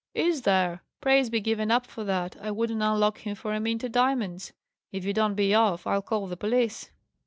"Is there? Praise be given up for that! I wouldn't unlock him for a mint o' diaments. If you don't be off, I'll call the police."